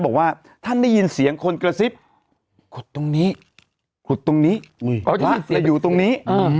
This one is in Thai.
บอกว่าท่านได้ยินเสียงคนกระซิบขุดตรงนี้ขุดตรงนี้ท่านอย่าอยู่ตรงนี้